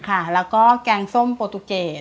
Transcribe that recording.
ค่ะแล้วก็แกงส้มปลูตุเกต